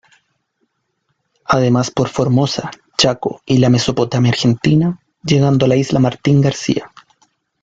Además por Formosa, Chaco y la Mesopotamia argentina, llegando a la isla Martín García.